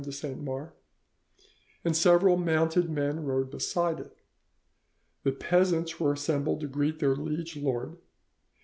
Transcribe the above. de Saint Mars, and several mounted men rode beside it. The peasants were assembled to greet their liege lord.